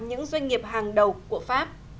những doanh nghiệp hàng đầu của pháp